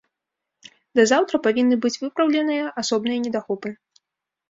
Да заўтра павінны быць выпраўленыя асобныя недахопы.